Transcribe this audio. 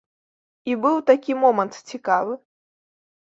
І быў такі момант цікавы.